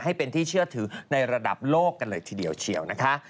ให้เป็นที่เชื่อถือในระดับโลกกันเลยทีเดียวเชียวนะคะ